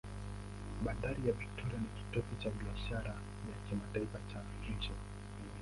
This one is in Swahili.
Bandari ya Victoria ni kitovu cha biashara ya kimataifa cha nchi.